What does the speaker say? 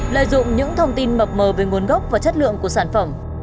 lợi dụng những thông tin mập mờ về nguồn gốc và chất lượng của sản phẩm